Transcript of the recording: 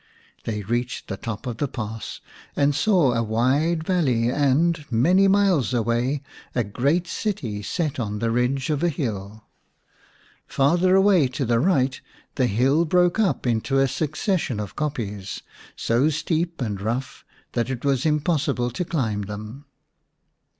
They reached the top of the pass, and saw a wide valley and, many miles away, a great city set on the ridge of a hill. Farther away to the right the hill broke up into a succession of kopjes 1 so steep and rough that it was impossible to climb them.